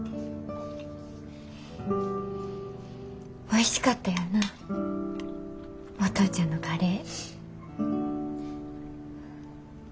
おいしかったよなぁお父ちゃんのカレー。